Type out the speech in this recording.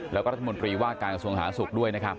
แล้วก็รัฐมนตรีว่าการกระทรวงสาธารณสุขด้วยนะครับ